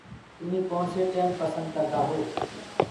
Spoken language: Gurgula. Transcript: تمي ڪوڻسي ٽيم پسند ڪردآ هو۔